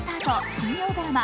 金曜ドラマ